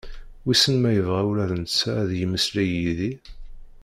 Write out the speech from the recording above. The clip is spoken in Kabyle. Wisen ma yebɣa ula d netta ad yemeslay d yid-i?